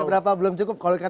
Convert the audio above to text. seberapa belum cukup